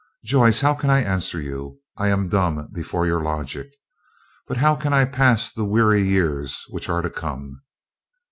"Joyce, how can I answer you? I am dumb before your logic. But how can I pass the weary years which are to come?"